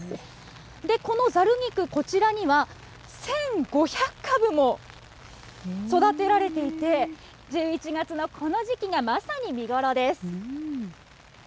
このざる菊、こちらには、１５００株も育てられていて、１１月のこの時期がまさに見頃です。